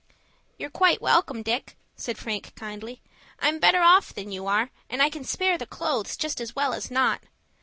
"You're quite welcome, Dick," said Frank, kindly. "I'm better off than you are, and I can spare the clothes just as well as not.